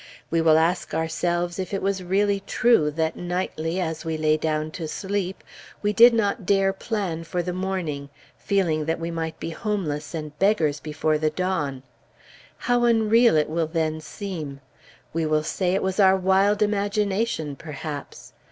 We will ask ourselves if it was really true that nightly, as we lay down to sleep, we did not dare plan for the morning, feeling that we might be homeless and beggars before the dawn. How unreal it will then seem! We will say it was our wild imagination, perhaps.